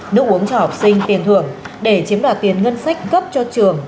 nước uống cho học sinh tiền thưởng để chiếm đoạt tiền ngân sách cấp cho trường